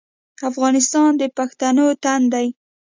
افغانستان د پښتنو تن دی